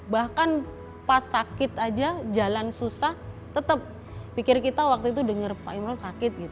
bahkan pas sakit aja jalan susah tetap pikir kita waktu itu denger pak imam sakit